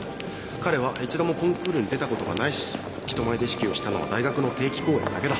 彼は一度もコンクールに出たことがないし人前で指揮をしたのは大学の定期公演だけだ。